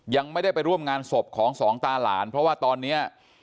ยังไม่ได้ไปร่วมงานศพของสองตาหลานเพราะว่าตอนนี้